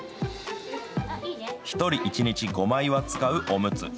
１人１日５枚は使うおむつ。